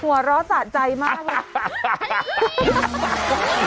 หัวเราะสะใจมากเลย